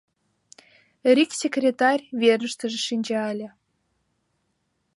Рик секретарь верыштыже шинча ыле.